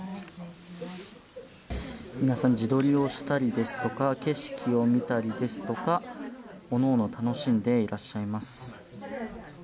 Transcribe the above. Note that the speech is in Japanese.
皆さん自撮りをしたりですとか景色を見たりですとかおのおの楽しんでいらっしゃいます。